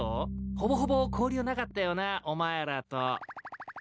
ほぼほぼ交流なかったよなお前らと。